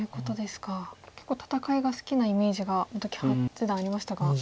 結構戦いが好きなイメージが本木八段ありましたが。